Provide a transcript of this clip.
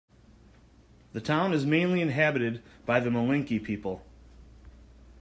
The town is mainly inhabited by the Malinke people.